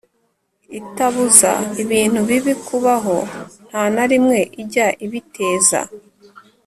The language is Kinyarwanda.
Itabuza ibintu bibi kubaho nta na rimwe ijya ibiteza